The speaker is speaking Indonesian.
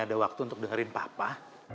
ada waktu untuk dengerin papa